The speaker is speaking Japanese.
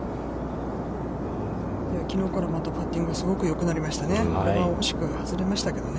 きのうから待ったパッティング、すごくよくなりましたね。